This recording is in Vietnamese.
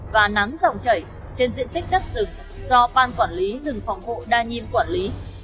và nắng dòng chảy trên diện tích đất rừng do ban quản lý rừng phòng hộ đa nhiêm quản lý